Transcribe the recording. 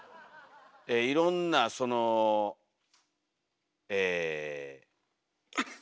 いろんなそのえ。